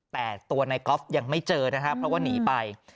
แต่ตัวนายกอล์ฟยังไม่เจอนะครับเพราะว่าหนีไป